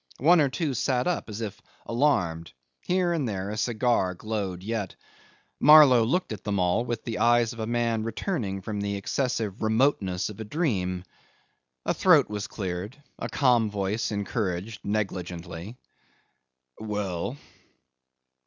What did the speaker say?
One or two sat up as if alarmed; here and there a cigar glowed yet; Marlow looked at them all with the eyes of a man returning from the excessive remoteness of a dream. A throat was cleared; a calm voice encouraged negligently, 'Well.